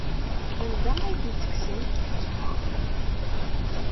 Anda ay ten-tekksem?